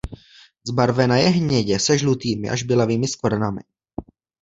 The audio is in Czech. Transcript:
Zbarvena je hnědě se žlutými až bělavými skvrnami.